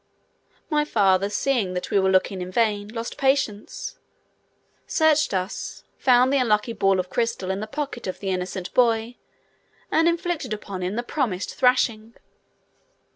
My father, seeing that we were looking in vain, lost patience, searched us, found the unlucky ball of crystal in the pocket of the innocent boy, and inflicted upon him the promised thrashing.